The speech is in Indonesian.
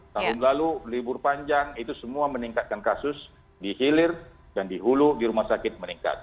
tahun lalu libur panjang itu semua meningkatkan kasus di hilir dan di hulu di rumah sakit meningkat